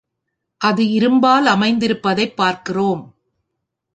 அது இரும்பால் அமைந்திருப்பதைப் பார்க்கிறோம்.